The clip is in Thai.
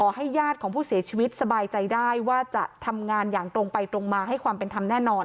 ให้ญาติของผู้เสียชีวิตสบายใจได้ว่าจะทำงานอย่างตรงไปตรงมาให้ความเป็นธรรมแน่นอน